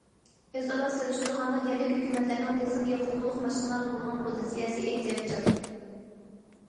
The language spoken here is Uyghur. ئۆز ئارا سېلىشتۇرغاندا، يەرلىك ھۆكۈمەتلەرنىڭ دىزېل يېقىلغۇلۇق ماشىنىلارغا بولغان پوزىتسىيەسى ئېھتىياتچان.